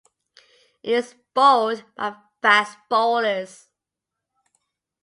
It is bowled by fast bowlers.